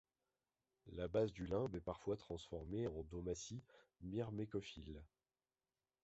La base du limbe est parfois transformée en domaties myrmécophiles.